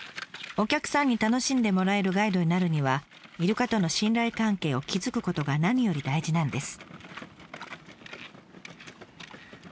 お客さんに楽しんでもらえるガイドになるにはイルカとの信頼関係を築くことが何より大事なんです。